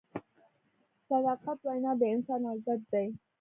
د صداقت وینا د انسان عزت دی.